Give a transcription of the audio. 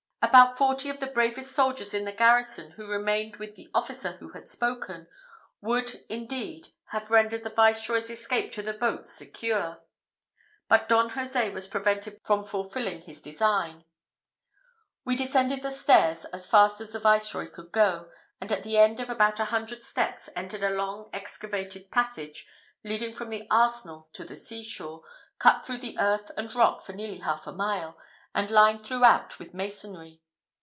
About forty of the bravest soldiers in the garrison, who remained with the officer who had spoken, would indeed have rendered the Viceroy's escape to the boats secure, but Don Jose was prevented from fulfilling his design. We descended the stairs as fast as the Viceroy could go; and, at the end of about a hundred steps, entered a long excavated passage leading from the arsenal to the sea shore, cut through the earth and rock for nearly half a mile, and lined throughout with masonry.